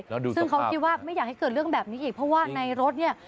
แล้วดูสิซึ่งเขาคิดว่าไม่อยากให้เกิดเรื่องแบบนี้อีกเพราะว่าในรถเนี่ย